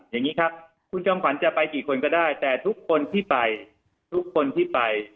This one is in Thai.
อย่างนี้ครับคุณจอมขวัญจะไปกี่คนก็ได้แต่ทุกคนที่ไปทุกคนที่ไป